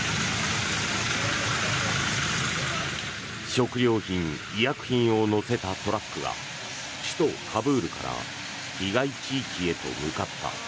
食料品、医薬品を載せたトラックが首都カブールから被害地域へと向かった。